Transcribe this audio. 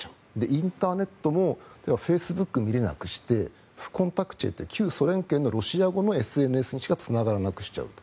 インターネットもフェイスブックを見れなくしてフコンタクチェっていう旧ソ連圏のロシア語のＳＮＳしかつながれなくしちゃう。